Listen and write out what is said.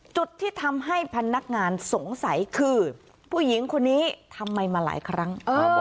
จุดที่ทำให้พนักงานสงสัยคือผู้หญิงคนนี้ทำไมมาหลายครั้ง